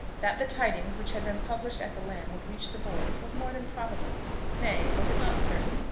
That the tidings which had been published at the Lamb would reach the boys, was more than probable. Nay; was it not certain?